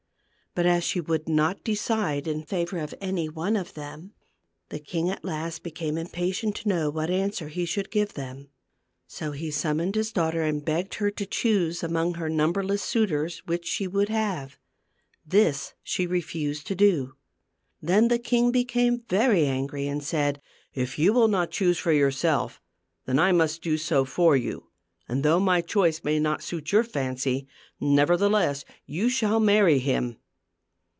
But as she would not decide in favor of any one of them, the king at last became impatient to know what answer he should give them. So he summoned his daughter, and THE GLASS MOUNTAIN. 265 begged her to choose among her numberless suitors which she would have. This she refused to do. Then the king became very angry and said, " If you will not choose for yourself, then I must do so for you ; and though my choice may not suit your fancy, nevertheless you shall marry him."